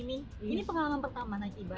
ini pengalaman pertama naik e bike